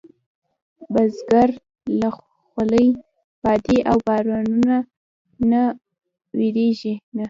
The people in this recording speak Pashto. بزګر له خولې، بادې او بارانه نه وېرېږي نه